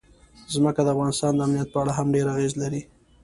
ځمکه د افغانستان د امنیت په اړه هم ډېر اغېز لري.